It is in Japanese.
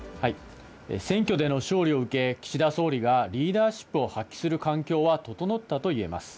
選挙での勝利を受け、岸田総理がリーダーシップを発揮する環境は整ったと言えます。